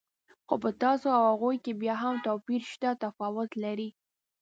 خو په تاسو او هغوی کې بیا هم توپیر شته، تفاوت لرئ.